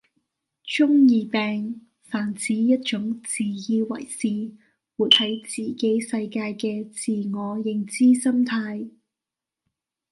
中二病泛指一種自以為是，活係自己世界嘅自我認知心態